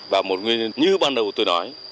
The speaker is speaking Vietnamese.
và một nguyên nhân như ban đầu tôi nói